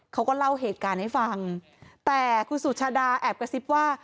เขาก็เล่าเหตุการณ์ให้ฟังแต่คุณสุชาดาแอบกระซิบว่า